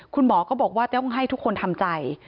คุณหมอก็บอกว่าต้องให้ทุกคนทำใจ